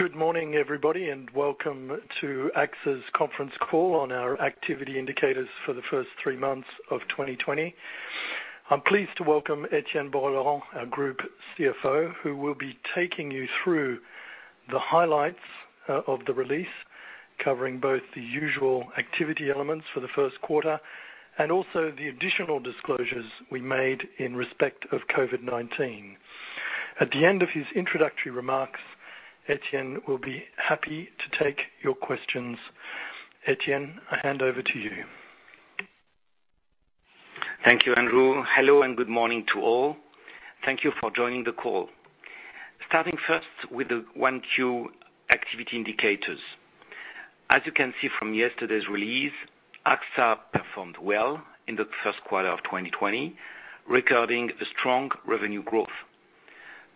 Good morning, everybody, welcome to AXA's conference call on our activity indicators for the first three months of 2020. I'm pleased to welcome Etienne Bouas-Laurent, our Group CFO, who will be taking you through the highlights of the release, covering both the usual activity elements for the first quarter, and also the additional disclosures we made in respect of COVID-19. At the end of his introductory remarks, Etienne will be happy to take your questions. Etienne, I hand over to you. Thank you, Andrew. Hello, and good morning to all. Thank you for joining the call. Starting first with the 1Q activity indicators. As you can see from yesterday's release, AXA performed well in the first quarter of 2020, recording a strong revenue growth,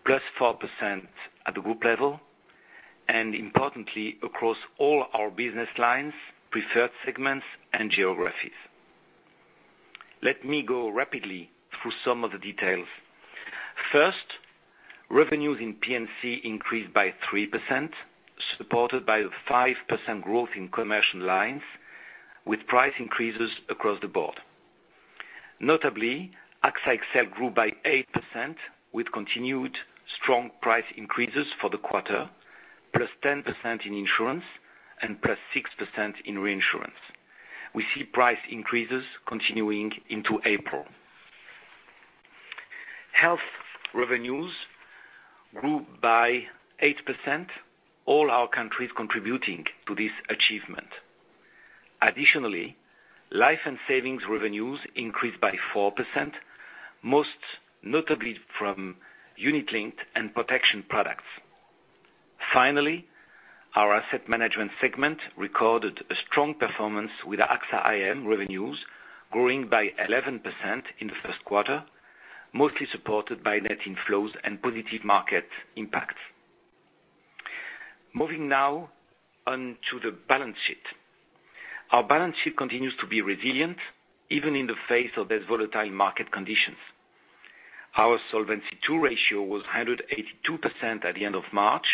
+4% at the group level, importantly, across all our business lines, preferred segments, and geographies. Let me go rapidly through some of the details. First, revenues in P&C increased by 3%, supported by a 5% growth in commercial lines, with price increases across the board. Notably, AXA XL grew by 8% with continued strong price increases for the quarter, +10% in insurance, and +6% in reinsurance. We see price increases continuing into April. Health revenues grew by 8%, all our countries contributing to this achievement. Additionally, life and savings revenues increased by 4%, most notably from unit-linked and protection products. Our asset management segment recorded a strong performance with AXA IM revenues growing by 11% in the first quarter, mostly supported by net inflows and positive market impact. Moving now on to the balance sheet. Our balance sheet continues to be resilient, even in the face of these volatile market conditions. Our Solvency II ratio was 182% at the end of March,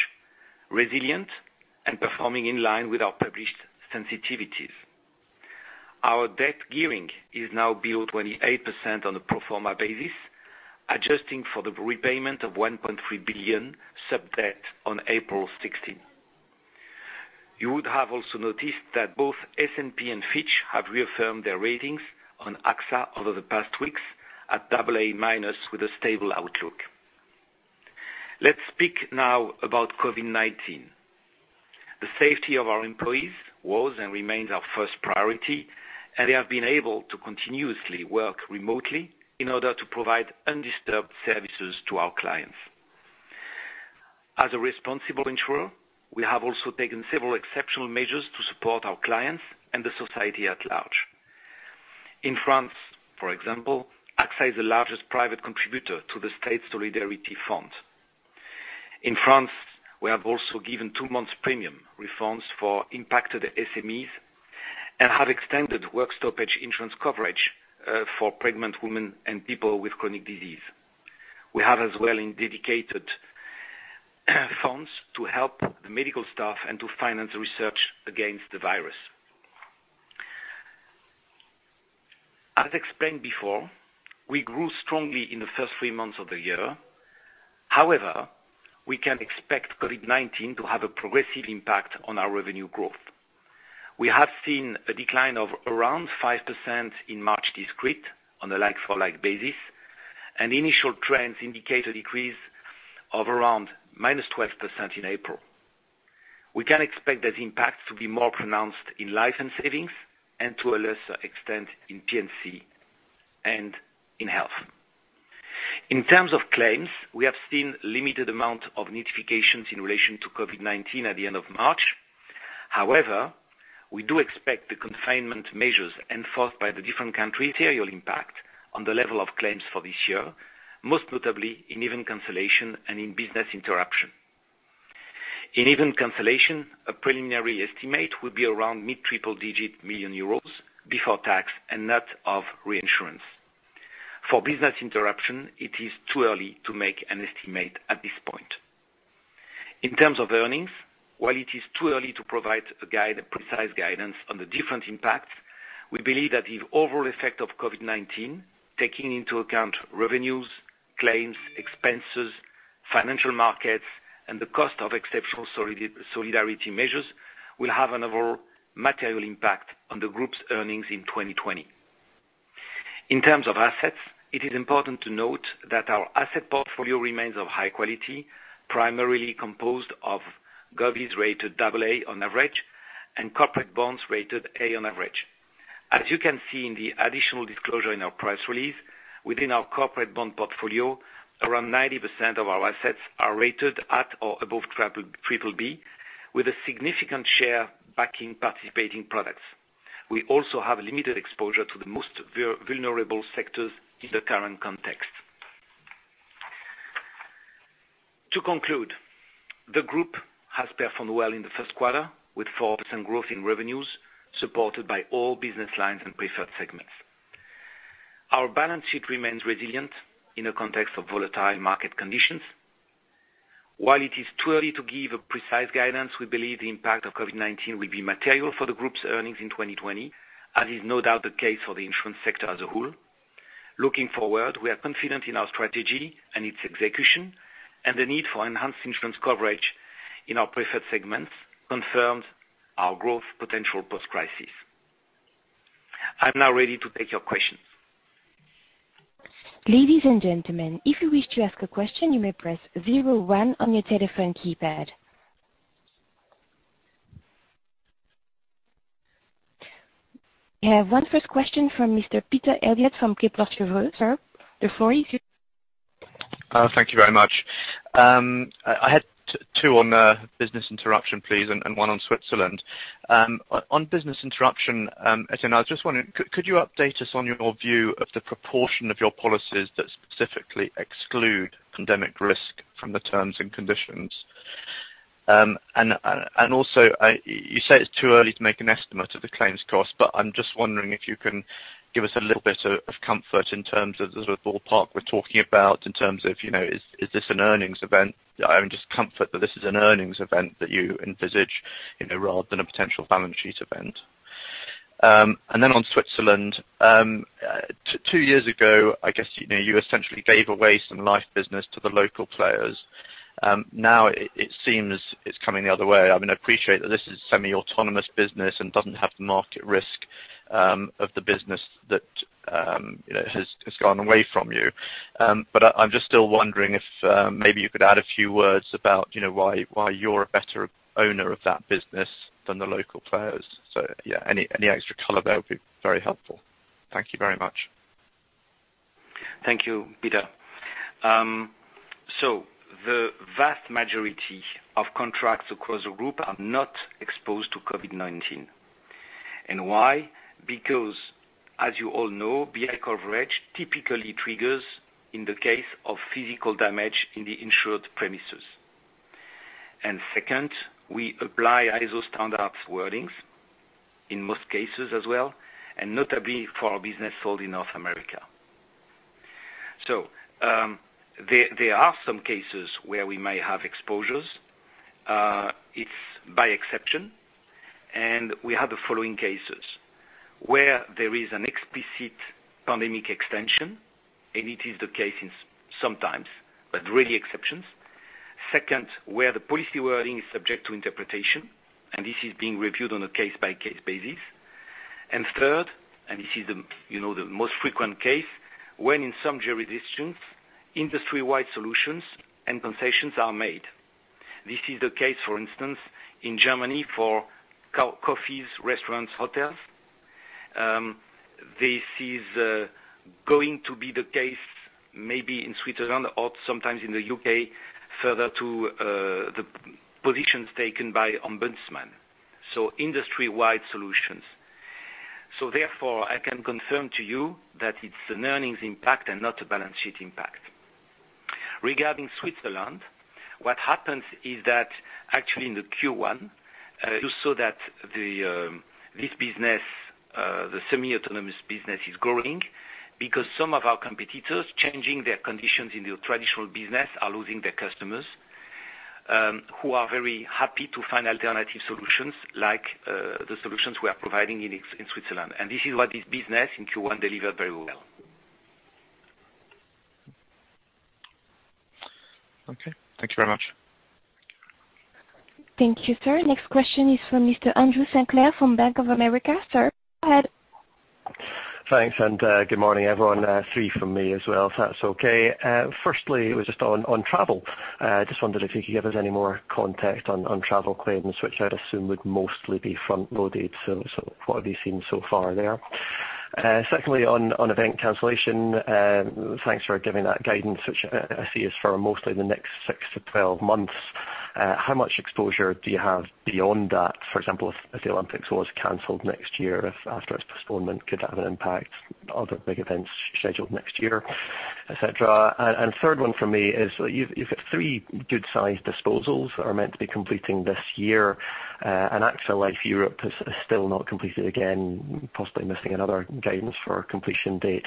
resilient, and performing in line with our published sensitivities. Our debt gearing is now below 28% on a pro forma basis, adjusting for the repayment of 1.3 billion sub-debt on April 16. You would have also noticed that both S&P and Fitch have reaffirmed their ratings on AXA over the past weeks at AA- with a stable outlook. Let's speak now about COVID-19. The safety of our employees was and remains our first priority, and they have been able to continuously work remotely in order to provide undisturbed services to our clients. As a responsible insurer, we have also taken several exceptional measures to support our clients and the society at large. In France, for example, AXA is the largest private contributor to the State Solidarity Fund. In France, we have also given two months premium refunds for impacted SMEs and have extended work stoppage insurance coverage for pregnant women and people with chronic disease. We have as well dedicated funds to help the medical staff and to finance research against the virus. As explained before, we grew strongly in the first three months of the year. We can expect COVID-19 to have a progressive impact on our revenue growth. We have seen a decline of around 5% in March to date on a like-for-like basis, and initial trends indicate a decrease of around -12% in April. We can expect this impact to be more pronounced in life and savings, and to a lesser extent in P&C and in health. In terms of claims, we have seen limited amount of notifications in relation to COVID-19 at the end of March. However, we do expect the confinement measures enforced by the different countries to have a material impact on the level of claims for this year, most notably in event cancellation and in business interruption. In event cancellation, a preliminary estimate will be around mid triple digit million EUR before tax and net of reinsurance. For business interruption, it is too early to make an estimate at this point. In terms of earnings, while it is too early to provide a precise guidance on the different impacts, we believe that the overall effect of COVID-19, taking into account revenues, claims, expenses, financial markets, and the cost of exceptional solidarity measures, will have an overall material impact on the group's earnings in 2020. In terms of assets, it is important to note that our asset portfolio remains of high quality, primarily composed of govies rated AA on average, and corporate bonds rated A on average. As you can see in the additional disclosure in our press release, within our corporate bond portfolio, around 90% of our assets are rated at or above BBB, with a significant share backing participating products. We also have limited exposure to the most vulnerable sectors in the current context. To conclude, the group has performed well in the first quarter with 4% growth in revenues, supported by all business lines and preferred segments. Our balance sheet remains resilient in a context of volatile market conditions. While it is too early to give a precise guidance, we believe the impact of COVID-19 will be material for the group's earnings in 2020, as is no doubt the case for the insurance sector as a whole. Looking forward, we are confident in our strategy and its execution, and the need for enhanced insurance coverage in our preferred segments confirms our growth potential post-crisis. I'm now ready to take your questions. Ladies and gentlemen, if you wish to ask a question, you may press zero one on your telephone keypad. We have one first question from Mr. Peter Eliot from Kepler Cheuvreux. Sir, the floor is yours. Thank you very much. I had two on business interruption, please, and one on Switzerland. On business interruption, Etienne, I was just wondering, could you update us on your view of the proportion of your policies that specifically exclude pandemic risk from the terms and conditions? You say it's too early to make an estimate of the claims cost, but I'm just wondering if you can give us a little bit of comfort in terms of the ballpark we're talking about in terms of, is this an earnings event? Just comfort that this is an earnings event that you envisage rather than a potential balance sheet event. On Switzerland. Two years ago, I guess, you essentially gave away some life business to the local players. Now it seems it's coming the other way. I appreciate that this is semi-autonomous business and doesn't have the market risk of the business that has gone away from you. I'm just still wondering if maybe you could add a few words about why you're a better owner of that business than the local players. Yeah, any extra color there would be very helpful. Thank you very much. Thank you, Peter. The vast majority of contracts across the group are not exposed to COVID-19. Why? Because, as you all know, BI coverage typically triggers in the case of physical damage in the insured premises. Second, we apply ISO standards wordings in most cases as well, and notably for our business sold in North America. There are some cases where we may have exposures. It's by exception, and we have the following cases. Where there is an explicit pandemic extension, and it is the case sometimes, but really exceptions. Second, where the policy wording is subject to interpretation, and this is being reviewed on a case-by-case basis. Third, and this is the most frequent case, when in some jurisdictions, industry-wide solutions and concessions are made. This is the case, for instance, in Germany for cafes, restaurants, hotels. This is going to be the case maybe in Switzerland or sometimes in the U.K. further to the positions taken by ombudsman. Industry-wide solutions. Therefore, I can confirm to you that it's an earnings impact and not a balance sheet impact. Regarding Switzerland, what happens is that actually in the Q1, you saw that this business, the semi-autonomous business, is growing because some of our competitors, changing their conditions in the traditional business, are losing their customers, who are very happy to find alternative solutions like the solutions we are providing in Switzerland. This is what this business in Q1 delivered very well. Okay. Thank you very much. Thank you, sir. Next question is from Mr. Andrew Sinclair from Bank of America. Sir, go ahead. Thanks, good morning, everyone. Three from me as well, if that's okay. Firstly, it was just on travel. Just wondered if you could give us any more context on travel claims, which I'd assume would mostly be front-loaded. What have you seen so far there? Secondly, on event cancellation, thanks for giving that guidance, which I see is for mostly the next six to 12 months. How much exposure do you have beyond that? For example, if the Olympics was canceled next year after its postponement, could that have an impact on other big events scheduled next year, et cetera? Third one from me is, you've got three good-sized disposals that are meant to be completing this year. AXA Life Europe is still not completed again, possibly missing another guidance for a completion date.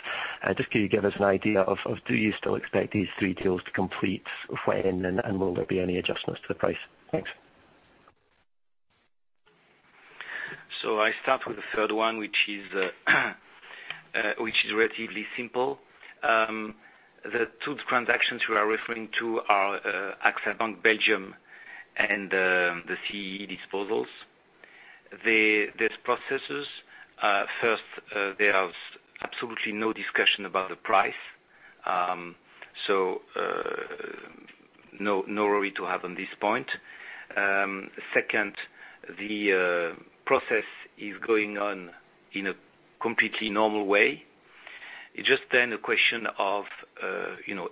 Just could you give us an idea of, do you still expect these three deals to complete? When, and will there be any adjustments to the price? Thanks. I start with the third one, which is relatively simple. The two transactions you are referring to are AXA Bank Belgium and the CEE disposals. These processes, first, there is absolutely no discussion about the price. No worry to have on this point. Second, the process is going on in a completely normal way. It's just then a question of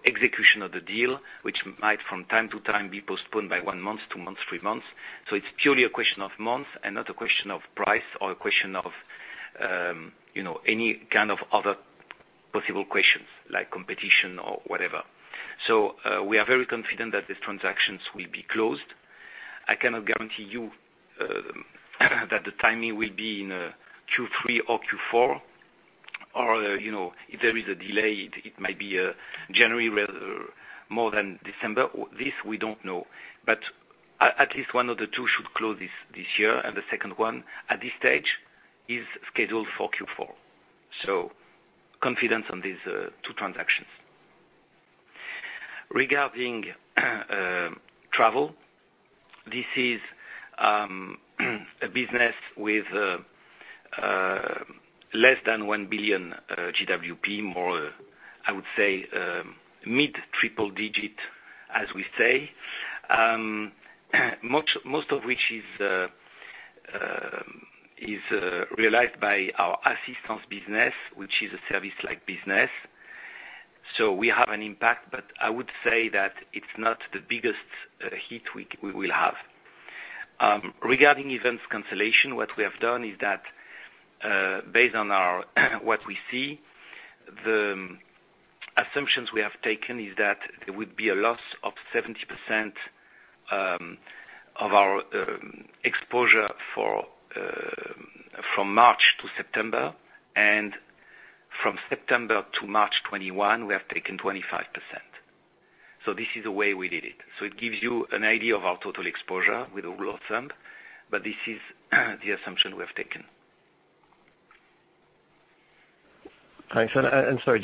execution of the deal, which might from time to time be postponed by one month, two months, three months. It's purely a question of month and not a question of price or a question of any kind of other possible questions like competition or whatever. We are very confident that these transactions will be closed. I cannot guarantee you that the timing will be in Q3 or Q4, or if there is a delay, it might be January rather more than December. This, we don't know. At least one of the two should close this year, and the second one, at this stage, is scheduled for Q4. Confident on these two transactions. Regarding travel, this is a business with less than 1 billion GWP. More, I would say, mid triple digit, as we say. Most of which is realized by our assistance business, which is a service-like business. We have an impact, but I would say that it's not the biggest hit we will have. Regarding events cancellation, what we have done is that, based on what we see, the assumptions we have taken is that there would be a loss of 70% of our exposure from March to September. From September to March 2021, we have taken 25%. This is the way we did it. It gives you an idea of our total exposure with a rough sum, but this is the assumption we have taken. Thanks. Sorry,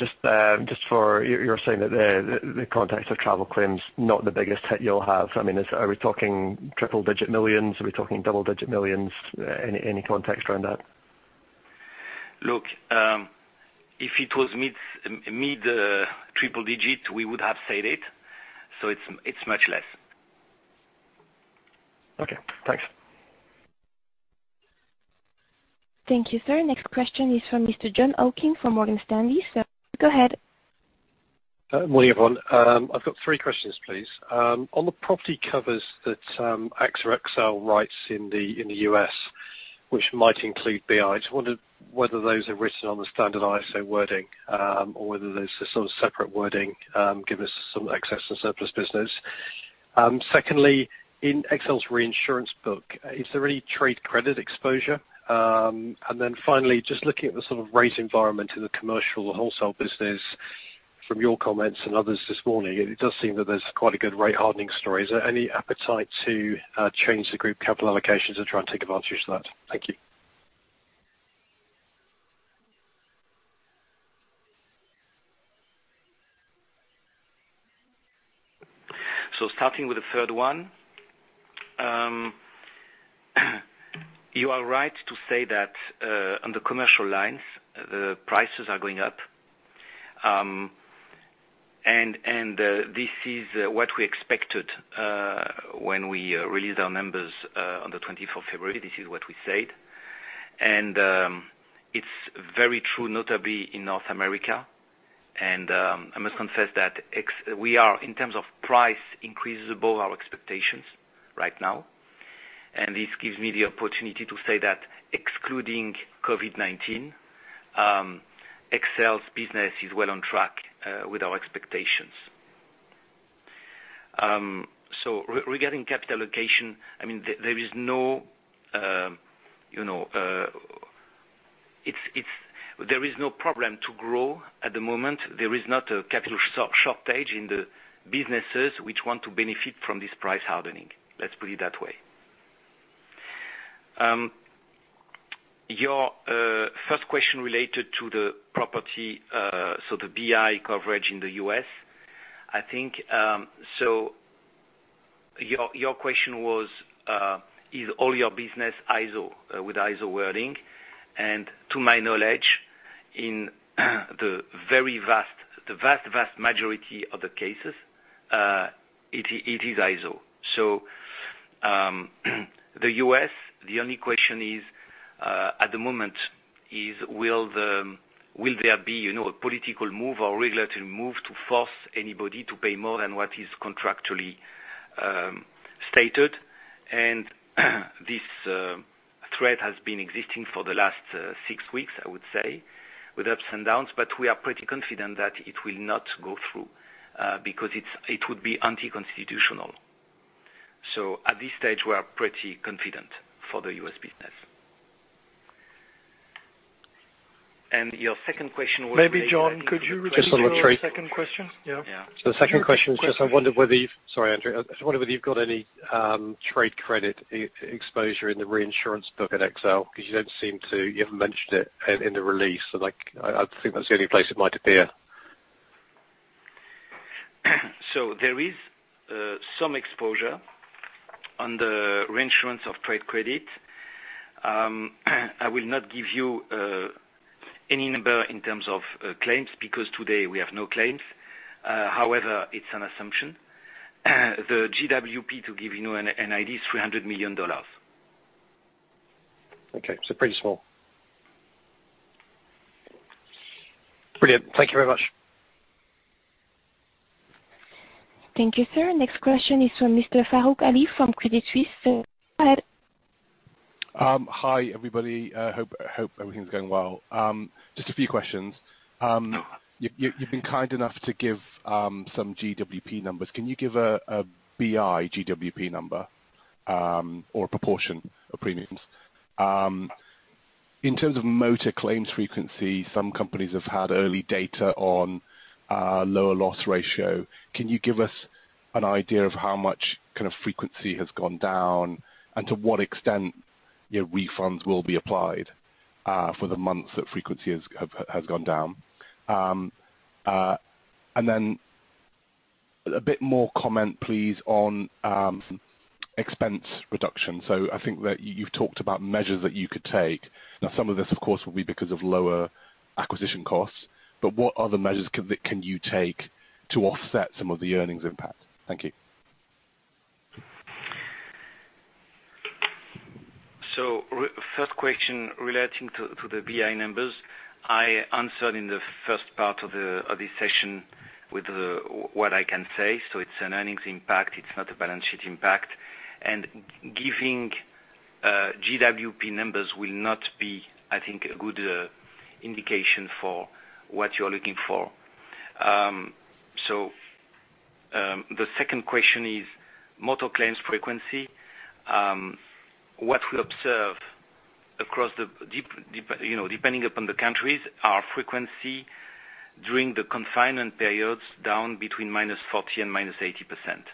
you're saying that the context of travel claims, not the biggest hit you'll have. Are we talking triple-digit millions? Are we talking double-digit millions? Any context around that? Look, if it was mid triple digit, we would have said it, so it's much less. Okay, thanks. Thank you, sir. Next question is from Mr. Jon Hocking from Morgan Stanley. Sir, go ahead. Good morning, everyone. I've got three questions, please. On the property covers that AXA XL writes in the U.S., which might include BI, I just wondered whether those are written on the standard ISO wording, or whether there's a sort of separate wording, given it's some excess and surplus business. Secondly, in XL's reinsurance book, is there any trade credit exposure? Finally, just looking at the sort of rate environment in the commercial wholesale business, from your comments and others this morning, it does seem that there's quite a good rate hardening story. Is there any appetite to change the group capital allocations and try and take advantage of that? Thank you. Starting with the third one. You are right to say that on the commercial lines, the prices are going up. This is what we expected when we released our numbers on the 24th of February. This is what we said. It's very true, notably in North America. I must confess that we are, in terms of price, increased above our expectations right now. This gives me the opportunity to say that excluding COVID-19, XL's business is well on track with our expectations. Regarding capital allocation, there is no problem to grow at the moment. There is not a capital shortage in the businesses which want to benefit from this price hardening. Let's put it that way. Your first question related to the property, so the BI coverage in the U.S. Your question was, is all your business with ISO wording? To my knowledge, in the vast majority of the cases, it is ISO. The U.S., the only question at the moment is will there be a political move or regulatory move to force anybody to pay more than what is contractually stated? This threat has been existing for the last six weeks, I would say, with ups and downs. We are pretty confident that it will not go through because it would be anti-constitutional. At this stage, we are pretty confident for the U.S. business. Your second question was related. Maybe Jon, could you repeat your second question? Yeah. Yeah. Sorry, Andrew. I just wondered whether you've got any trade credit exposure in the reinsurance book at XL, because you haven't mentioned it in the release. I think that's the only place it might appear. There is some exposure on the reinsurance of trade credit. I will not give you any number in terms of claims, because today we have no claims. However, it's an assumption. The GWP, to give you an idea, is EUR 300 million. Okay, pretty small. Brilliant. Thank you very much. Thank you, sir. Next question is from Mr. Farooq Hanif from Credit Suisse. Sir, go ahead. Hi, everybody. Hope everything's going well. Just a few questions. You've been kind enough to give some GWP numbers. Can you give a BI GWP number or proportion of premiums? In terms of motor claims frequency, some companies have had early data on lower loss ratio. Can you give us an idea of how much frequency has gone down, and to what extent refunds will be applied for the months that frequency has gone down? A bit more comment, please, on expense reduction. I think that you've talked about measures that you could take. Now, some of this, of course, will be because of lower acquisition costs, but what other measures can you take to offset some of the earnings impact? Thank you. First question relating to the BI numbers, I answered in the first part of this session with what I can say. It's an earnings impact, it's not a balance sheet impact, and giving GWP numbers will not be, I think, a good indication for what you're looking for. The second question is motor claims frequency. What we observed depending upon the countries, are frequency during the confinement periods down between -40% and -80%.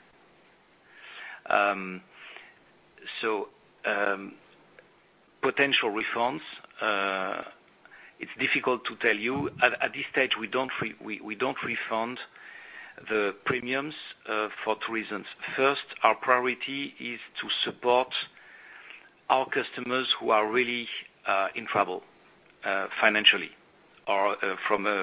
Potential refunds, it's difficult to tell you. At this stage, we don't refund the premiums for two reasons. First, our priority is to support our customers who are really in trouble financially or from a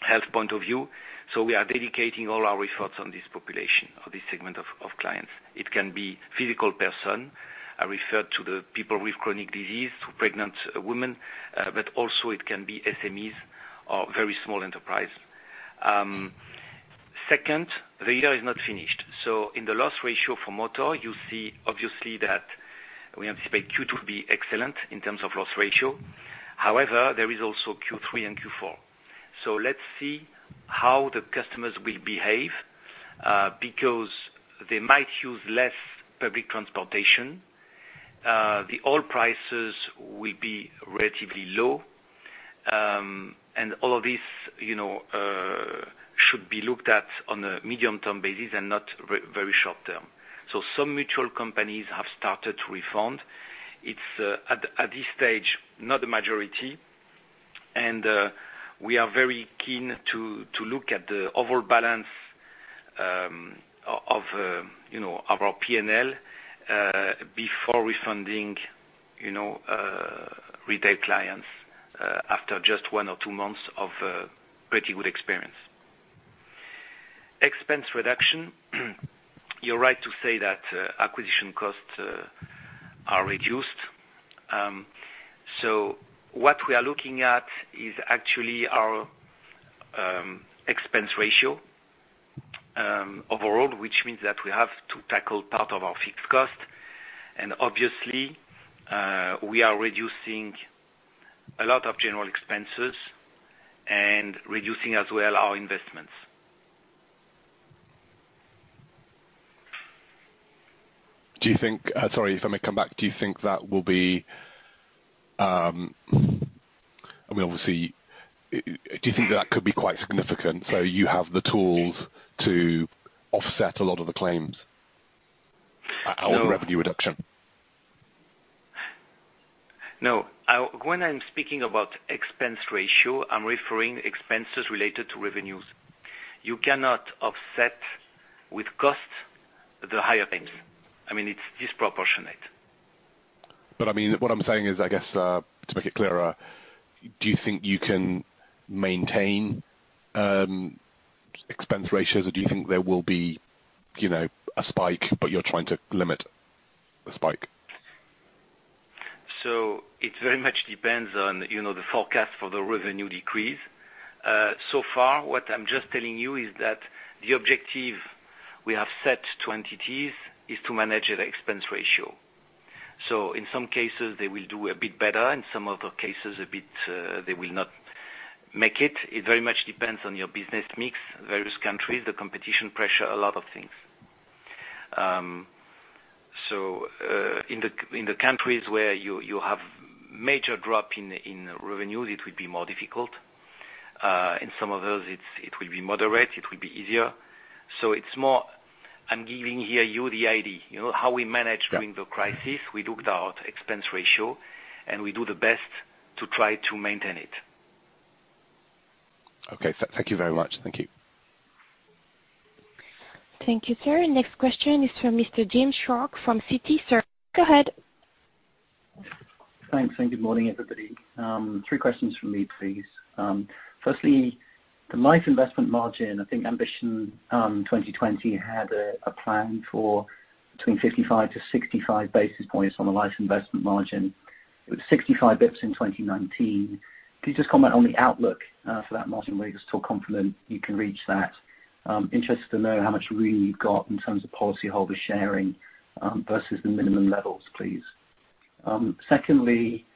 health point of view. We are dedicating all our efforts on this population or this segment of clients. It can be physical person. I referred to the people with chronic disease, to pregnant women, also it can be SMEs or very small enterprise. Second, the year is not finished. In the loss ratio for motor, you see obviously that we anticipate Q2 to be excellent in terms of loss ratio. However, there is also Q3 and Q4. Let's see how the customers will behave, because they might use less public transportation. The oil prices will be relatively low. All of this should be looked at on a medium-term basis and not very short term. Some mutual companies have started to refund. It's, at this stage, not the majority. We are very keen to look at the overall balance of our P&L before refunding retail clients after just one or two months of pretty good experience. Expense reduction. You're right to say that acquisition costs are reduced. What we are looking at is actually our expense ratio overall, which means that we have to tackle part of our fixed cost. Obviously, we are reducing a lot of general expenses and reducing as well our investments. Sorry, if I may come back. Do you think that could be quite significant, so you have the tools to offset a lot of the claims or revenue reduction? No. When I'm speaking about expense ratio, I'm referring expenses related to revenues. You cannot offset with cost the higher claims. It's disproportionate. What I'm saying is, I guess, to make it clearer, do you think you can maintain expense ratios or do you think there will be a spike, but you're trying to limit the spike? It very much depends on the forecast for the revenue decrease. So far, what I'm just telling you is that the objective we have set to entities is to manage the expense ratio. In some cases, they will do a bit better. In some other cases, they will not make it. It very much depends on your business mix, various countries, the competition pressure, a lot of things. In the countries where you have major drop in revenues, it will be more difficult. In some others, it will be moderate, it will be easier. It's more, I'm giving here you the idea. How we manage during the crisis, we looked at our expense ratio, and we do the best to try to maintain it. Okay. Thank you very much. Thank you. Thank you, sir. Next question is from Mr. James Shuck from Citi. Sir, go ahead. Thanks. Good morning, everybody. Three questions from me, please. Firstly, the life investment margin, I think Ambition 2020 had a plan for between 55 to 65 basis points on the life investment margin. 65 basis points in 2019. Could you just comment on the outlook for that margin, where there's total complement, you can reach that. I'm interested to know how much room you've got in terms of policyholder sharing, versus the minimum levels, please. Secondly,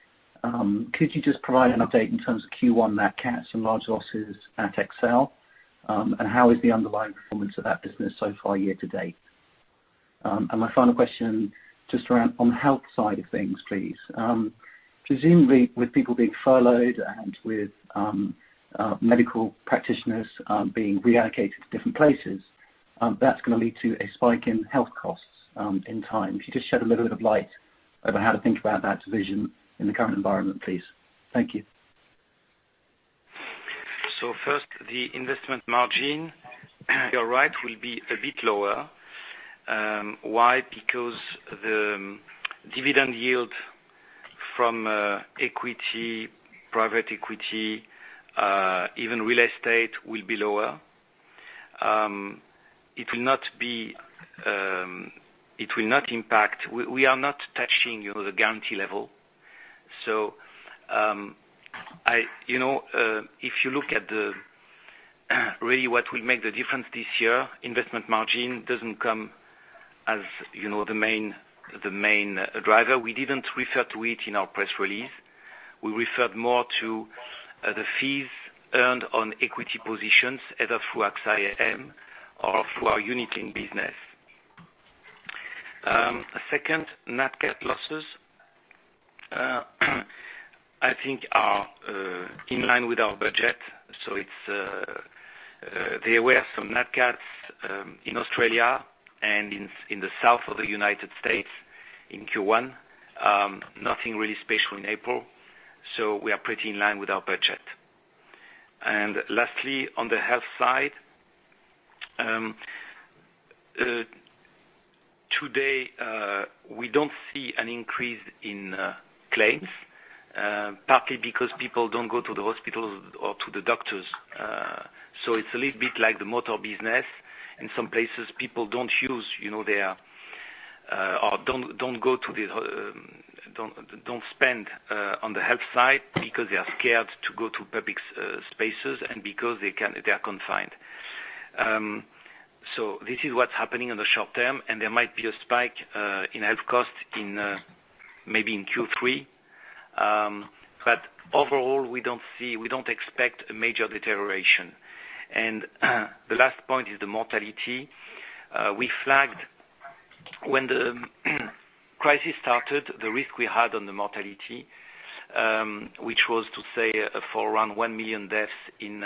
could you just provide an update in terms of Q1 nat cats and large losses at XL, and how is the underlying performance of that business so far year to date? My final question, just around on the health side of things, please. Presumably, with people being furloughed and with medical practitioners being reallocated to different places, that's going to lead to a spike in health costs in time. Could you just shed a little bit of light over how to think about that division in the current environment, please? Thank you. First, the investment margin, you're right, will be a bit lower. Why? Because the dividend yield from equity, private equity, even real estate, will be lower. We are not touching the guarantee level. If you look at the, really what will make the difference this year, investment margin doesn't come as the main driver. We didn't refer to it in our press release. We referred more to the fees earned on equity positions, either through AXA IM or through our unit-linked business. Second, nat cat losses, I think are in line with our budget. There were some nat cats in Australia and in the South of the U.S. in Q1. Nothing really special in April, so we are pretty in line with our budget. Lastly, on the health side. Today, we don't see an increase in claims, partly because people don't go to the hospitals or to the doctors. It's a little bit like the motor business. In some places, people don't spend on the health side because they are scared to go to public spaces and because they are confined. This is what's happening in the short term, and there might be a spike in health costs maybe in Q3. Overall, we don't expect a major deterioration. The last point is the mortality. We flagged when the crisis started, the risk we had on the mortality, which was to say for around 1 million deaths in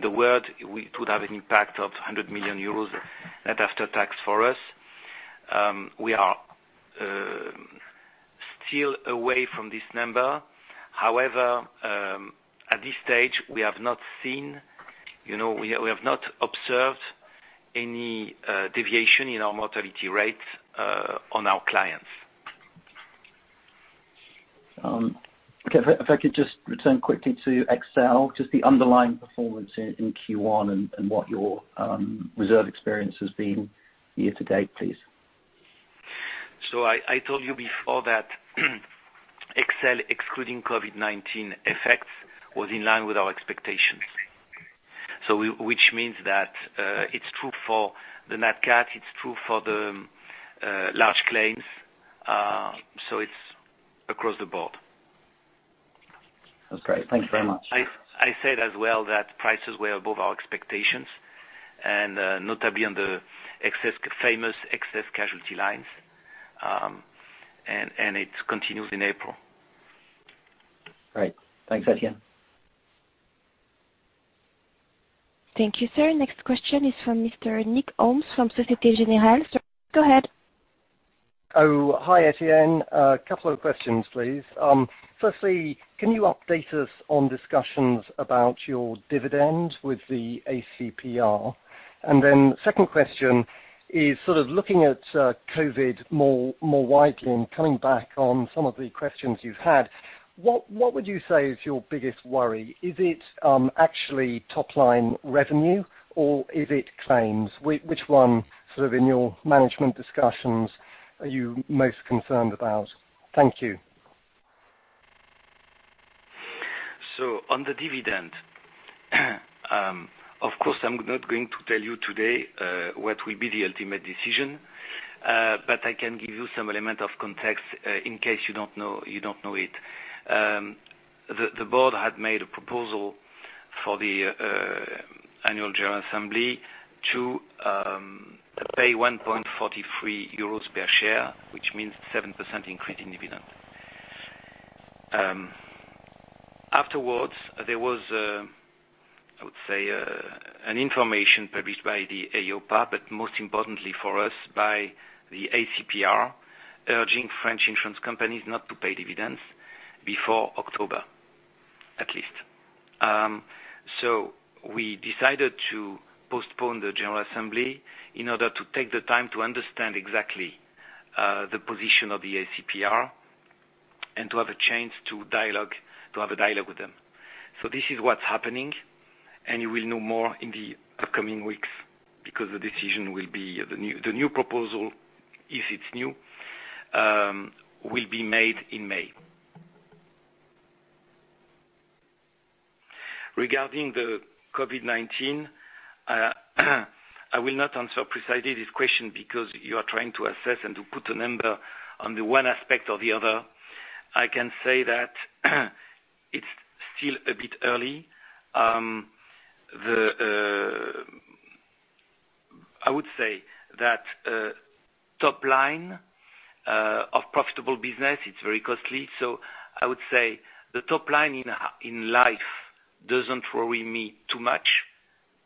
the world, it would have an impact of 100 million euros net after tax for us. We are still away from this number. At this stage, we have not observed any deviation in our mortality rates on our clients. Okay. If I could just return quickly to XL, just the underlying performance in Q1 and what your reserve experience has been year to date, please. I told you before that XL, excluding COVID-19 effects, was in line with our expectations. Which means that it's true for the nat cat, it's true for the large claims, so it's across the board. Okay. Thank you very much. I said as well that prices were above our expectations, notably on the famous excess casualty lines. It continues in April. Great. Thanks, Etienne. Thank you, sir. Next question is from Mr. Nick Holmes from Société Générale. Sir, go ahead. Oh, hi, Etienne. A couple of questions, please. Firstly, can you update us on discussions about your dividend with the ACPR? Second question is sort of looking at COVID more widely and coming back on some of the questions you've had. What would you say is your biggest worry? Is it actually top-line revenue, or is it claims? Which one, sort of in your management discussions, are you most concerned about? Thank you. On the dividend, of course, I'm not going to tell you today what will be the ultimate decision, but I can give you some element of context in case you don't know it. The board had made a proposal for the annual general assembly to pay 1.43 euros per share, which means 7% increase in dividend. Afterwards, there was, I would say, information published by the EIOPA, but most importantly for us, by the ACPR, urging French insurance companies not to pay dividends before October, at least. We decided to postpone the general assembly in order to take the time to understand exactly the position of the ACPR and to have a chance to have a dialogue with them. This is what's happening, and you will know more in the upcoming weeks. Because the decision will be, the new proposal, if it's new, will be made in May. Regarding the COVID-19, I will not answer precisely this question because you are trying to assess and to put a number on the one aspect or the other. I can say that it's still a bit early. I would say that top line of profitable business, it's very costly. I would say the top line in life doesn't worry me too much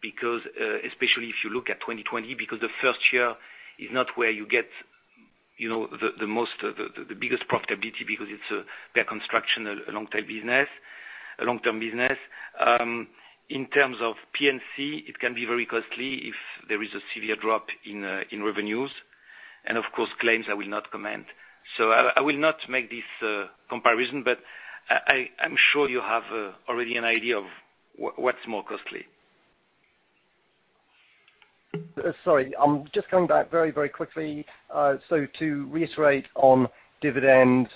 because, especially if you look at 2020, because the first year is not where you get the biggest profitability because it's a better construction, a long-term business. In terms of P&C, it can be very costly if there is a severe drop in revenues, and of course, claims I will not comment. I will not make this comparison, but I'm sure you have already an idea of what's more costly. Sorry, I'm just coming back very quickly. To reiterate on dividends,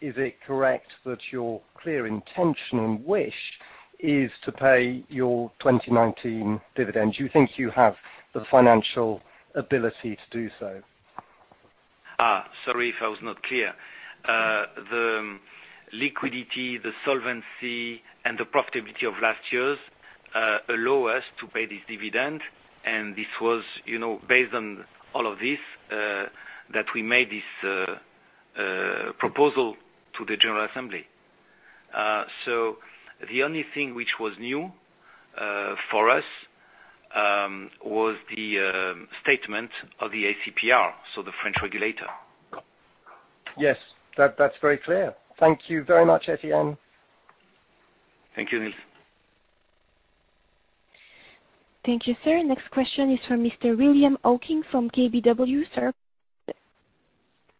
is it correct that your clear intention and wish is to pay your 2019 dividends? You think you have the financial ability to do so? Sorry if I was not clear. The liquidity, the solvency, and the profitability of last year's allow us to pay this dividend. This was based on all of this, that we made this proposal to the general assembly. The only thing which was new for us, was the statement of the ACPR, so the French regulator. Yes. That's very clear. Thank you very much, Etienne. Thank you, Nick. Thank you, sir. Next question is from Mr. William Hawkins from KBW. Sir.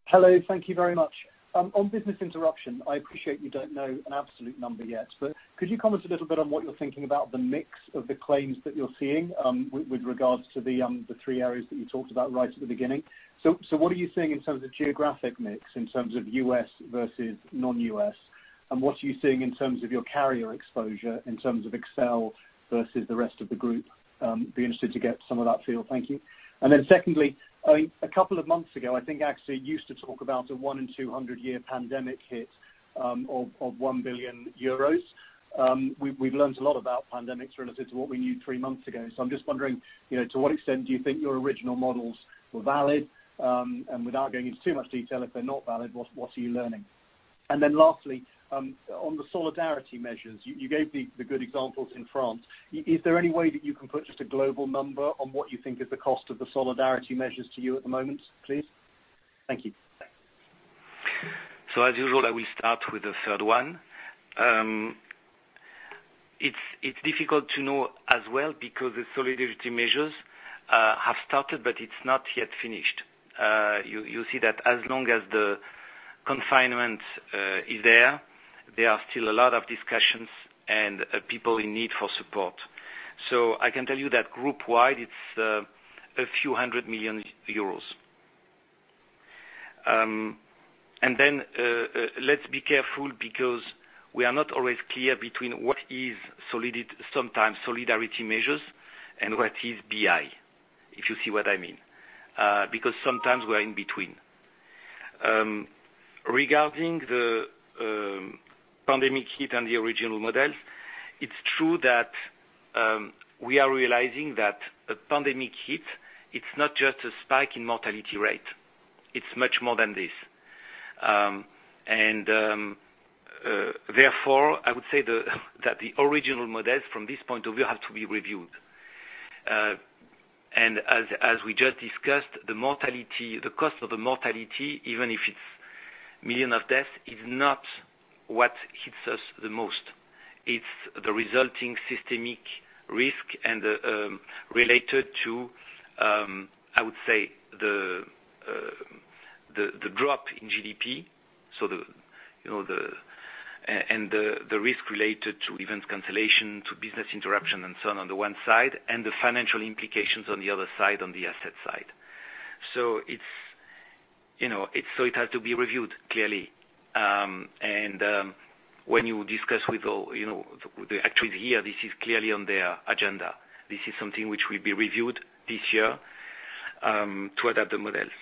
Hello. Thank you very much. On business interruption, I appreciate you don't know an absolute number yet, but could you comment a little bit on what you're thinking about the mix of the claims that you're seeing, with regards to the three areas that you talked about right at the beginning. What are you seeing in terms of geographic mix, in terms of U.S. versus non-U.S.? What are you seeing in terms of your carrier exposure, in terms of XL versus the rest of the group? Be interested to get some of that feel. Thank you. Secondly, a couple of months ago, I think AXA used to talk about a one in 200-year pandemic hit of 1 billion euros. We've learned a lot about pandemics relative to what we knew three months ago. I'm just wondering, to what extent do you think your original models were valid? Without going into too much detail, if they're not valid, what are you learning? Lastly, on the solidarity measures, you gave the good examples in France. Is there any way that you can put just a global number on what you think is the cost of the solidarity measures to you at the moment, please? Thank you. As usual, I will start with the third one. It's difficult to know as well because the solidarity measures have started, but it's not yet finished. You see that as long as the confinement is there are still a lot of discussions and people in need for support. I can tell you that group wide, it's a few hundred million euros. Let's be careful because we are not always clear between what is sometimes solidarity measures and what is BI, if you see what I mean. Sometimes we're in between. Regarding the pandemic hit and the original models, it's true that we are realizing that a pandemic hit, it's not just a spike in mortality rate. It's much more than this. Therefore, I would say that the original models from this point of view have to be reviewed. As we just discussed, the cost of the mortality, even if it's million of deaths, is not what hits us the most. It's the resulting systemic risk and related to, I would say, the drop in GDP, and the risk related to events cancellation, to business interruption, and so on the one side, and the financial implications on the other side, on the asset side. It has to be reviewed, clearly. When you discuss with all, the actuaries here, this is clearly on their agenda. This is something which will be reviewed this year, to adapt the models.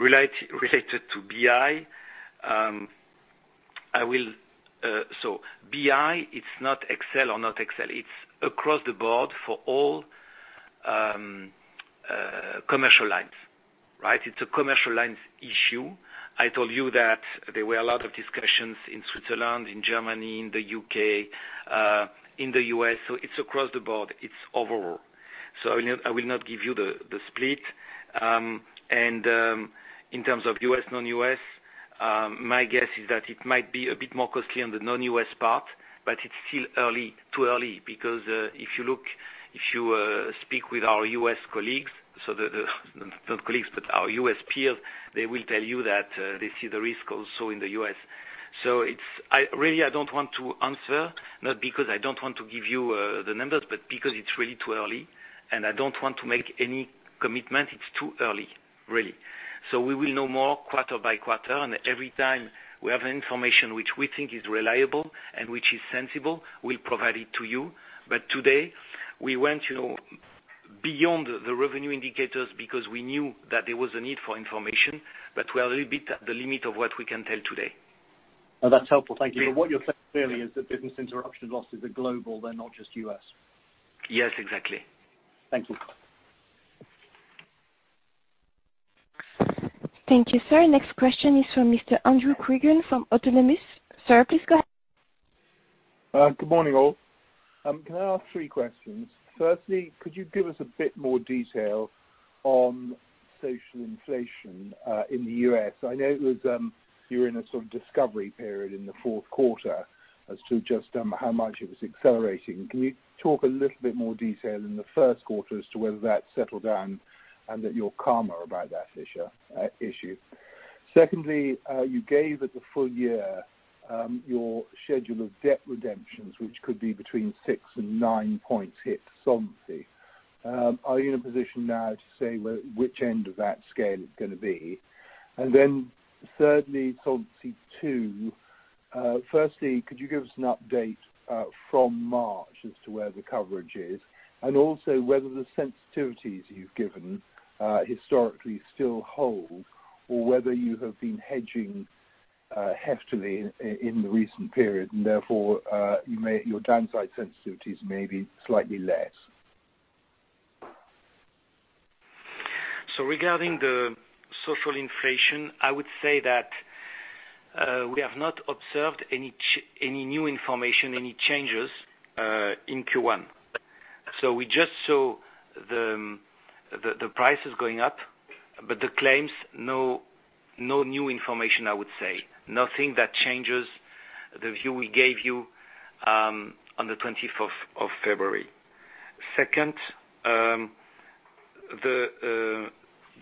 Related to BI, it's not XL or not XL. It's across the board for all commercial lines. Right? It's a commercial lines issue. I told you that there were a lot of discussions in Switzerland, in Germany, in the U.K., in the U.S., so it's across the board. It's overall. I will not give you the split. In terms of U.S., non-U.S., my guess is that it might be a bit more costly on the non-U.S. part, but it's still too early because if you speak with our U.S. colleagues, not colleagues, but our U.S. peers, they will tell you that they see the risk also in the U.S. Really, I don't want to answer, not because I don't want to give you the numbers, but because it's really too early, and I don't want to make any commitment. It's too early, really. We will know more quarter by quarter, and every time we have information which we think is reliable and which is sensible, we'll provide it to you. Today we went beyond the revenue indicators because we knew that there was a need for information, but we are a little bit at the limit of what we can tell today. That's helpful. Thank you. What you're saying clearly is that business interruption losses are global, they're not just U.S. Yes, exactly. Thank you. Thank you, sir. Next question is from Mr. Andrew Crean from Autonomous. Sir, please go ahead. Good morning, all. Can I ask three questions? Firstly, could you give us a bit more detail on social inflation in the U.S.? I know you were in a sort of discovery period in the fourth quarter as to just how much it was accelerating. Can you talk a little bit more detail in the first quarter as to whether that settled down and that you're calmer about that issue? Secondly, you gave at the full year, your schedule of debt redemptions, which could be between 6 points and 9 points hit solvency. Are you in a position now to say which end of that scale it's going to be? Thirdly, Solvency II. Firstly, could you give us an update, from March as to where the coverage is, and also whether the sensitivities you've given historically still hold or whether you have been hedging heftily in the recent period and therefore, your downside sensitivities may be slightly less? Regarding the social inflation, I would say that we have not observed any new information, any changes in Q1. We just saw the price is going up, but the claims, no new information, I would say. Nothing that changes the view we gave you on the 24th of February. Second, the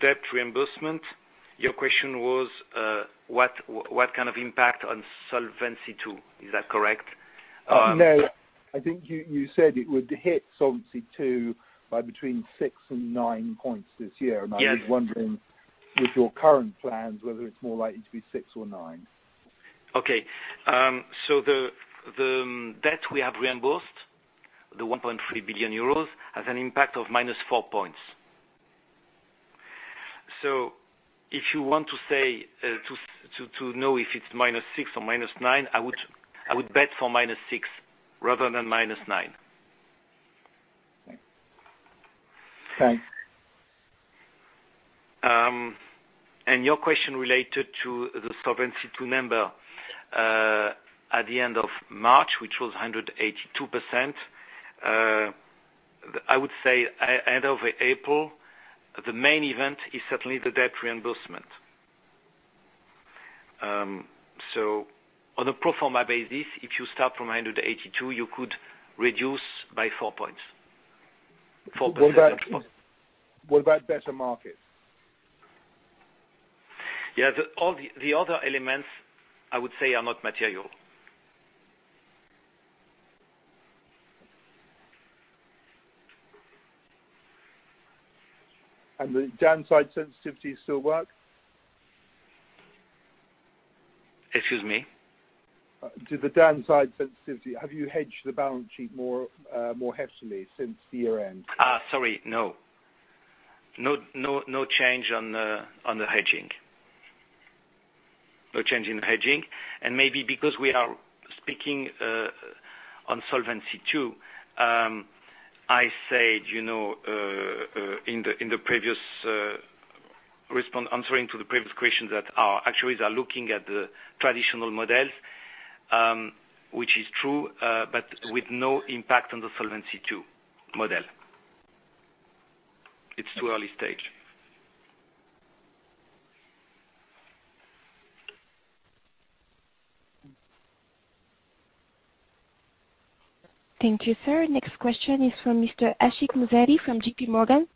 debt reimbursement. Your question was, what kind of impact on Solvency II? Is that correct? No, I think you said it would hit Solvency II by between 6 points and 9 points this year. Yes. I was wondering with your current plans, whether it's more likely to be 6 points or 9 points. Okay. The debt we have reimbursed, the 1.3 billion euros, has an impact of -4 points. If you want to know if it's -6 or -9, I would bet for -6 rather than -9. Thanks. Your question related to the Solvency II number, at the end of March, which was 182%. I would say end of April, the main event is certainly the debt reimbursement. On a pro forma basis, if you start from 182, you could reduce by four points. Four percentage points. What about better markets? Yeah. All the other elements I would say are not material. The downside sensitivity still work? Excuse me? Do the downside sensitivity, have you hedged the balance sheet more heftily since year-end? Sorry. No. No change on the hedging. No change in the hedging. Maybe because we are speaking on Solvency II, I said, in the previous answering to the previous questions that our actuaries are looking at the traditional models, which is true, but with no impact on the Solvency II model. It's too early stage. Thank you, sir. Next question is from Mr. Ashik Musaddi from JPMorgan.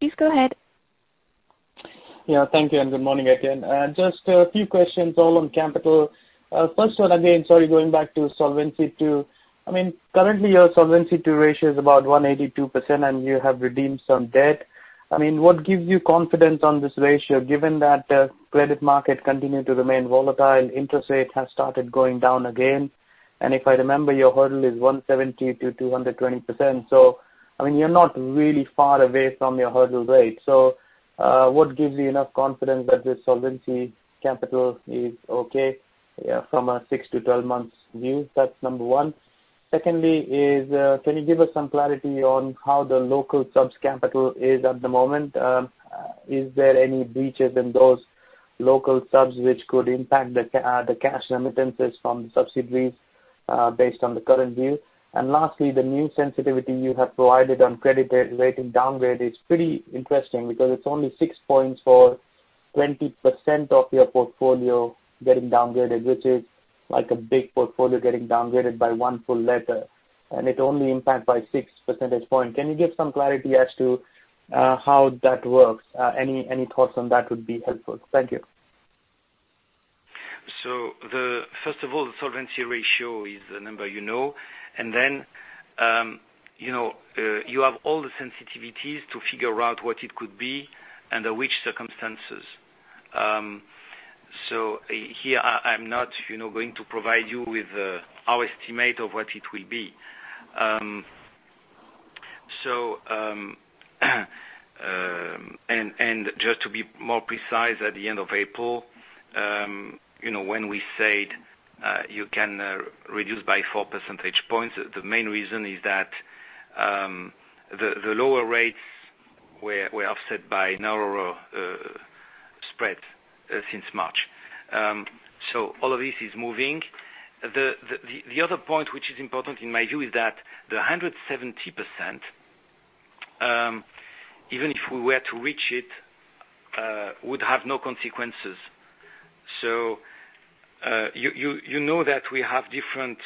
Please go ahead. Yeah. Thank you, and good morning again. Just a few questions, all on capital. First one, again, sorry, going back to Solvency II. Currently, your Solvency II ratio is about 182%, and you have redeemed some debt. What gives you confidence on this ratio, given that credit market continue to remain volatile, interest rates have started going down again, and if I remember, your hurdle is 170%-220%. You're not really far away from your hurdle rate. What gives you enough confidence that the solvency capital is okay from a 6-12 months view? That's number one. Secondly is, can you give us some clarity on how the local subs capital is at the moment? Is there any breaches in those local subs which could impact the cash remittances from the subsidiaries, based on the current view? Lastly, the new sensitivity you have provided on credit rating downgrade is pretty interesting because it's only six points for 20% of your portfolio getting downgraded, which is like a big portfolio getting downgraded by one full letter, and it only impact by six percentage point. Can you give some clarity as to how that works? Any thoughts on that would be helpful. Thank you. First of all, the solvency ratio is the number you know, and then you have all the sensitivities to figure out what it could be under which circumstances. Here, I'm not going to provide you with our estimate of what it will be. Just to be more precise, at the end of April, when we said you can reduce by four percentage points, the main reason is that the lower rates were offset by narrower spread since March. All of this is moving. The other point which is important in my view is that the 170%, even if we were to reach it, would have no consequences. You know that we have different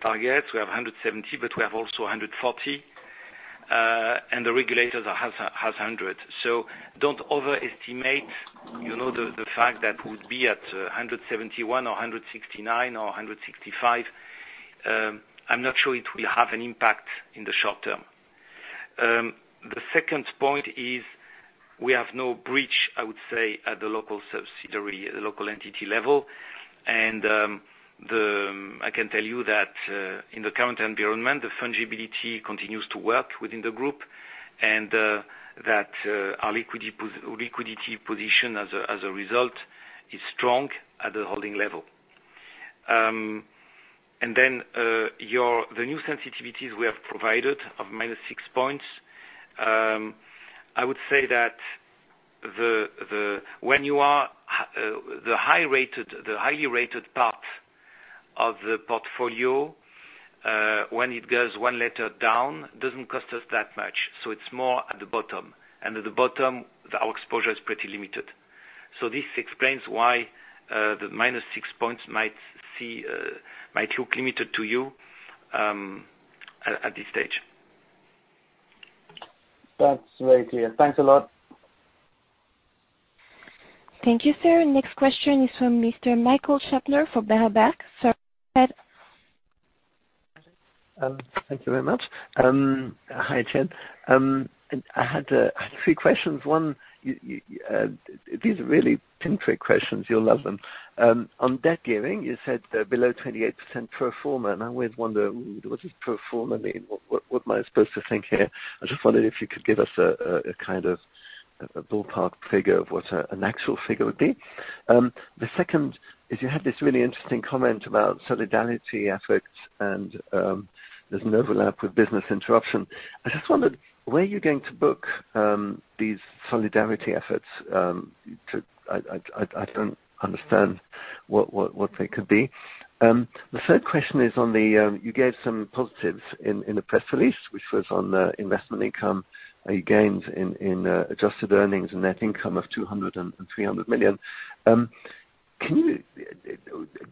targets. We have 170, but we have also 140, and the regulators has 100. Don't overestimate, the fact that would be at 171 or 169 or 165. I'm not sure it will have an impact in the short term. The second point is we have no breach, I would say, at the local subsidiary, local entity level. I can tell you that in the current environment, the fungibility continues to work within the group, and that our liquidity position as a result is strong at the holding level. The new sensitivities we have provided of -6 points. I would say that when you are the highly rated part of the portfolio, when it goes one letter down, doesn't cost us that much, so it's more at the bottom. At the bottom, our exposure is pretty limited. This explains why the -6 points might look limited to you at this stage. That's very clear. Thanks a lot. Thank you, sir. Next question is from Mr. Michael Huttner for Berenberg. Sir, go ahead. Thank you very much. Hi, Tien. I had three questions. One, these are really pin-prick questions. You'll love them. On debt gearing, you said below 28% pro forma, and I always wonder what does pro forma mean? What am I supposed to think here? I just wondered if you could give us a kind of a ballpark figure of what an actual figure would be. The second is you had this really interesting comment about solidarity efforts, and there's an overlap with business interruption. I just wondered where you're going to book these solidarity efforts. I don't understand what they could be. The third question is, you gave some positives in the press release, which was on the investment income you gained in adjusted earnings, a net income of 200 million and 300 million.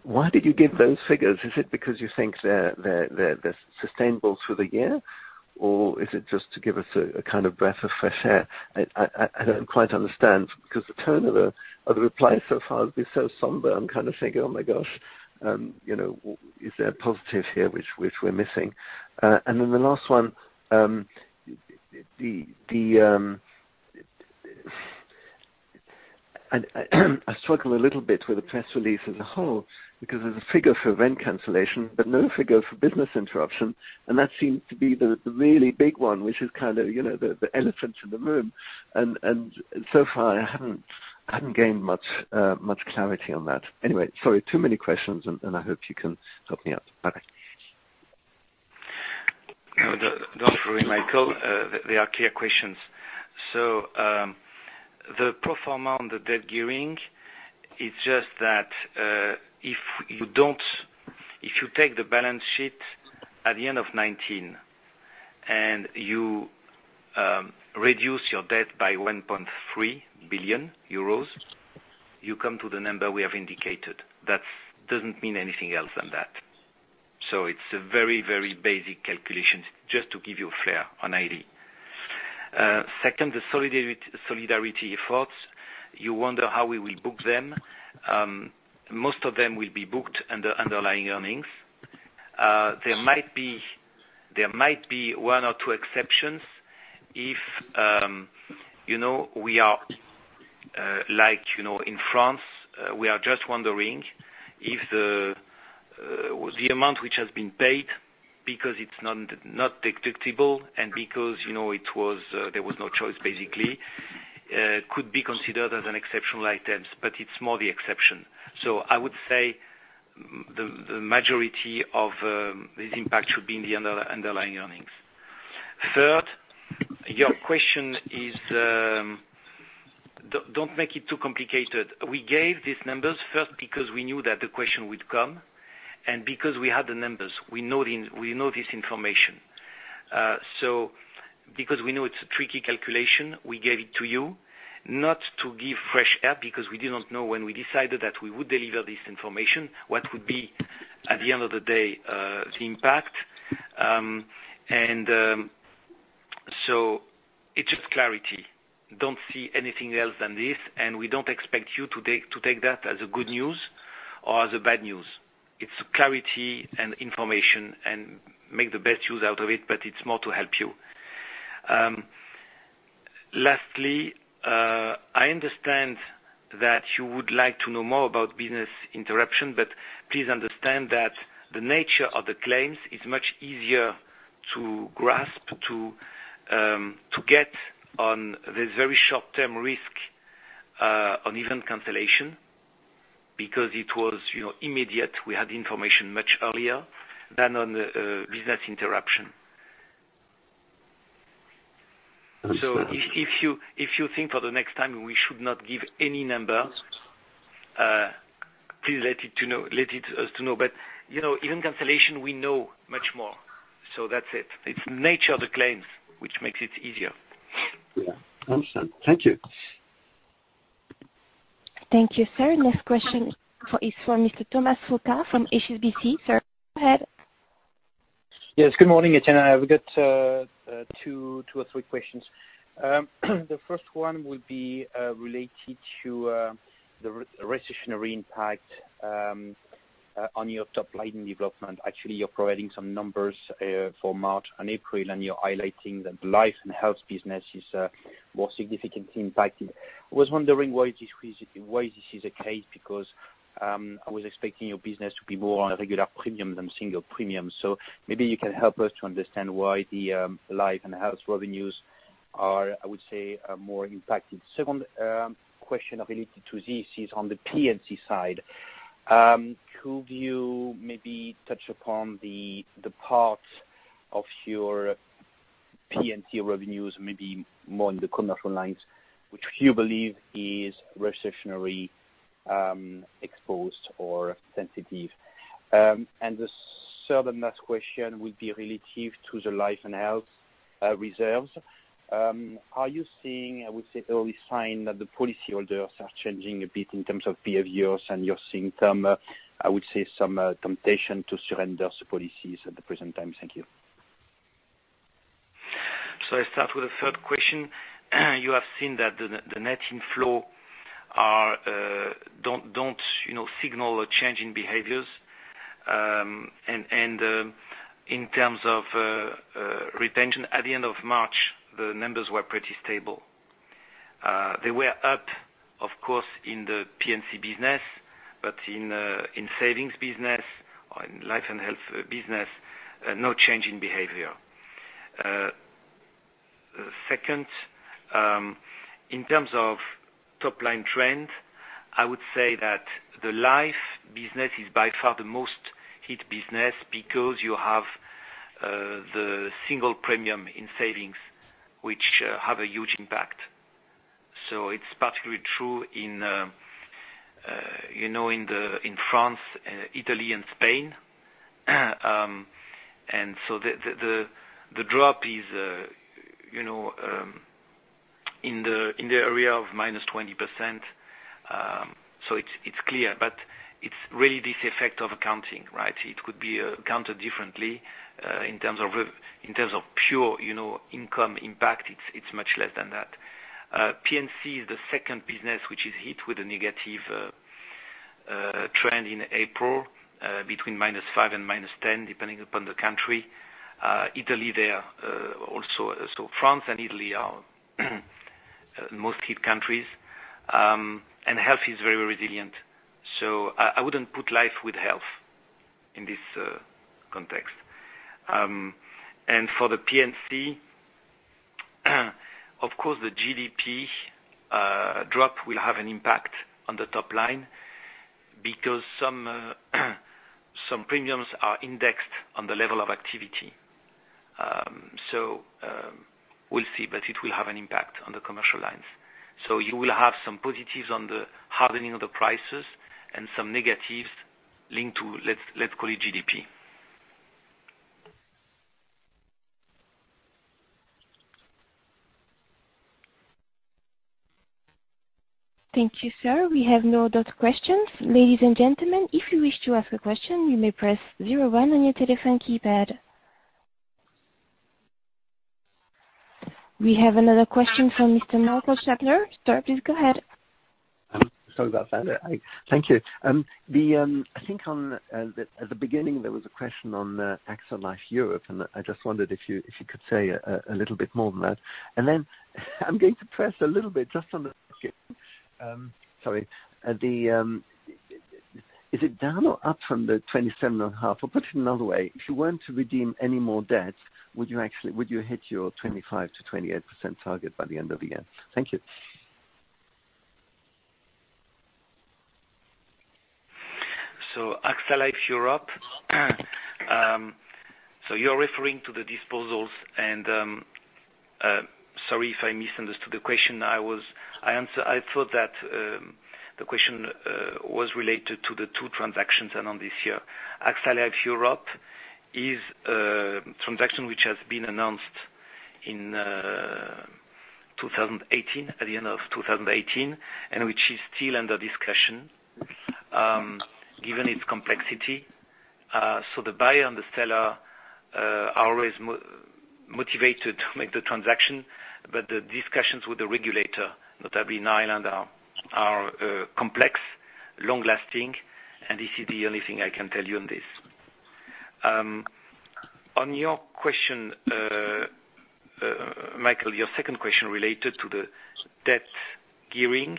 Why did you give those figures? Is it because you think they're sustainable through the year, or is it just to give us a kind of breath of fresh air? I don't quite understand because the tone of the replies so far has been so somber. I'm kind of thinking, oh, my gosh, is there a positive here which we're missing? The last one, I struggle a little bit with the press release as a whole because there's a figure for event cancellation but no figure for business interruption, and that seems to be the really big one, which is kind of the elephant in the room. So far, I haven't gained much clarity on that. Anyway, sorry, too many questions, and I hope you can help me out. Bye-bye. No, don't worry, Michael. They are clear questions. The pro forma on the debt gearing, it’s just that if you take the balance sheet at the end of 2019, and you reduce your debt by 1.3 billion euros, you come to the number we have indicated. That doesn’t mean anything else than that. It’s a very, very basic calculation, just to give you a flare on ID. Second, the solidarity efforts. You wonder how we will book them. Most of them will be booked under underlying earnings. There might be one or two exceptions if we are like in France, we are just wondering if the amount which has been paid because it’s not deductible and because there was no choice, basically, could be considered as an exceptional item, but it’s more the exception. I would say the majority of this impact should be in the underlying earnings. Third, your question is, don't make it too complicated. We gave these numbers first because we knew that the question would come, and because we had the numbers. We know this information. Because we know it's a tricky calculation, we gave it to you not to give fresh air, because we did not know when we decided that we would deliver this information, what would be at the end of the day the impact. It's just clarity. Don't see anything else than this, and we don't expect you to take that as good news or as bad news. It's clarity and information, and make the best use out of it, but it's more to help you. Lastly, I understand that you would like to know more about business interruption, but please understand that the nature of the claims is much easier to grasp, to get on the very short-term risk on event cancellation because it was immediate. We had information much earlier than on the business interruption. If you think for the next time we should not give any number, please let us know. Event cancellation, we know much more. That's it. It's the nature of the claims which makes it easier. Yeah. Understand. Thank you. Thank you, sir. Next question is for Mr. Thomas Fossard from HSBC. Sir, go ahead. Good morning, Etienne. I've got two or three questions. The first one will be related to the recessionary impact on your top line development. You're providing some numbers for March and April, and you're highlighting that life and health business is more significantly impacted. I was wondering why this is the case, because I was expecting your business to be more on a regular premium than single premium. Maybe you can help us to understand why the life and health revenues are, I would say, more impacted. Second question related to this is on the P&C side. Could you maybe touch upon the parts of your P&C revenues, maybe more in the commercial lines, which you believe is recessionary exposed or sensitive? The third and last question will be relative to the life and health reserves. Are you seeing, I would say, early sign that the policyholders are changing a bit in terms of behaviors, and you're seeing, I would say, some temptation to surrender the policies at the present time? Thank you. I start with the third question. You have seen that the net inflow don't signal a change in behaviors. In terms of retention, at the end of March, the numbers were pretty stable. They were up, of course, in the P&C business. In savings business or in life and health business, no change in behavior. Second, in terms of top-line trend, I would say that the life business is by far the most hit business because you have the single premium in savings, which have a huge impact. It's particularly true in France, Italy, and Spain. The drop is in the area of -20%. It's clear, but it's really this effect of accounting, right? In terms of pure income impact, it's much less than that. P&C is the second business, which is hit with a negative trend in April between -5% and -10%, depending upon the country. Italy there also. France and Italy are most hit countries. Health is very resilient. I wouldn't put life with health in this context. For the P&C, of course, the GDP drop will have an impact on the top line because some premiums are indexed on the level of activity. We'll see, but it will have an impact on the commercial lines. You will have some positives on the hardening of the prices and some negatives linked to, let's call it GDP. Thank you, sir. We have no other questions. Ladies and gentlemen, if you wish to ask a question, you may press zero one on your telephone keypad. We have another question from Mr. Michael Huttner. Sir, please go ahead. Sorry about that. Thank you. I think at the beginning, there was a question on AXA Life Europe. I just wondered if you could say a little bit more than that. I'm going to press a little bit, sorry. Is it down or up from the 27.5%? I'll put it another way. If you weren't to redeem any more debt, would you hit your 25%-28% target by the end of the year? Thank you. AXA Life Europe. You're referring to the disposals and, sorry if I misunderstood the question. I thought that the question was related to the two transactions and on this year. AXA Life Europe is a transaction which has been announced in 2018, at the end of 2018, and which is still under discussion given its complexity. The buyer and the seller are always motivated to make the transaction, but the discussions with the regulator, notably in Ireland, are complex, long-lasting, and this is the only thing I can tell you on this. On your question, Michael, your second question related to the debt gearing,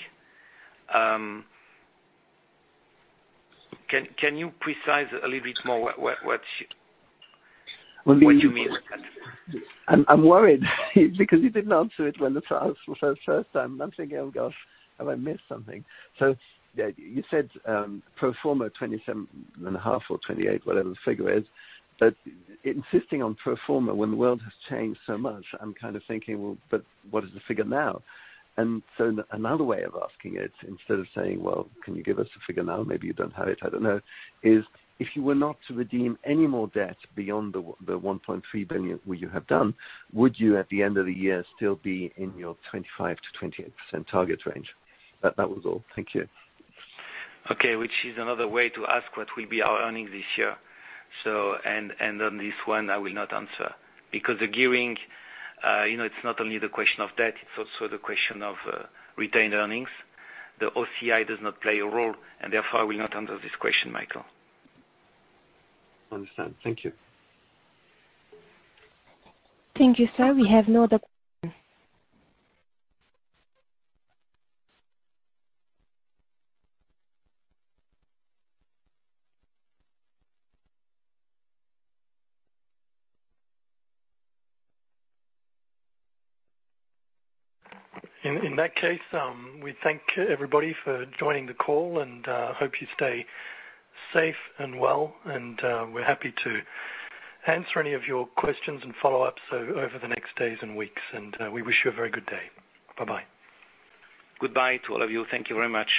can you precise a little bit more what you mean? I'm worried because you didn't answer it the first time. I'm thinking, "Oh, gosh, have I missed something?" You said pro forma 27 and a half or 28, whatever the figure is, insisting on pro forma when the world has changed so much, I'm kind of thinking, what is the figure now? Another way of asking it, instead of saying, can you give us a figure now? Maybe you don't have it, I don't know, is if you were not to redeem any more debt beyond the 1.3 billion which you have done, would you, at the end of the year, still be in your 25%-28% target range? That was all. Thank you. Which is another way to ask what will be our earnings this year. On this one, I will not answer because the gearing, it's not only the question of debt, it's also the question of retained earnings. The OCI does not play a role, and therefore, I will not answer this question, Michael. Understand. Thank you. Thank you, sir. We have no other question. In that case, we thank everybody for joining the call, and hope you stay safe and well, and we're happy to answer any of your questions and follow-ups over the next days and weeks, and we wish you a very good day. Bye-bye. Goodbye to all of you. Thank you very much.